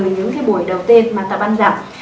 những cái buổi đầu tiên mà tập ăn rặn